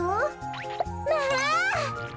まあ！